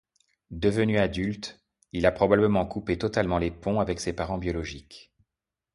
Devenu adulte, il a probablement coupé totalement les ponts avec ses parents biologiques.